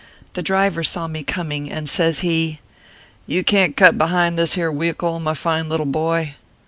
The driver saw me coming, and says he :" You can t cut behind this here wehicle, my fine little boy."